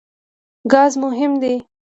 ګاز مهم دی.